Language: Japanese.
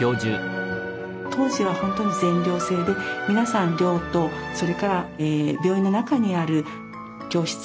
当時はほんとに全寮制で皆さん寮とそれから病院の中にある教室